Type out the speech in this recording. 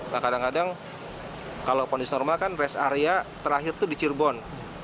nah kadang kadang kalau kondisi normal kan res area terakhir itu dicirbon